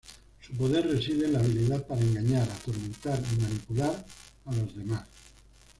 Su poder reside en la habilidad para engañar, atormentar y manipular a los demás.